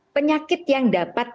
penyakit yang dapat dicampurkan